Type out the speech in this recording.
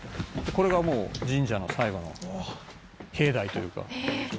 「これがもう神社の最後の境内というか」